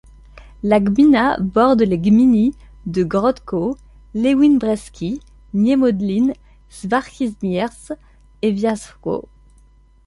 La gmina borde les gminy de Grodków, Lewin Brzeski, Niemodlin, Skarbimierz et Wiązów.